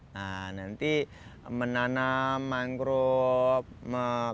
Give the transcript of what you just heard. nah nanti menanam mangrove